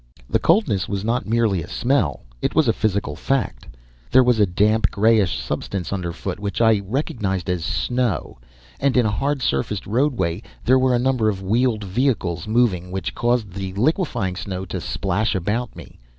The coldness was not merely a smell; it was a physical fact. There was a damp grayish substance underfoot which I recognized as snow; and in a hard surfaced roadway there were a number of wheeled vehicles moving, which caused the liquefying snow to splash about me.